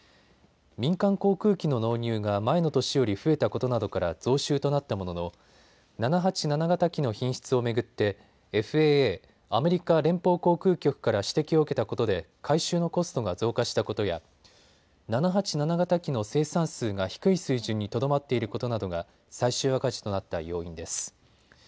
民間航空機の納入が前の年より増えたことなどから増収となったものの７８７型機の品質を巡ってＦＡＡ・アメリカ連邦航空局から指摘を受けたことで改修のコストが増加したことや７８７型機の生産数が低い水準にとどまっていることなどが最終赤字となった要因です。